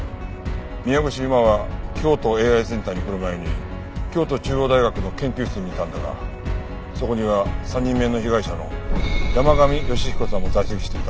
宮越優真は京都ＡＩセンターに来る前に京都中央大学の研究室にいたんだがそこには３人目の被害者の山神芳彦さんも在籍していた。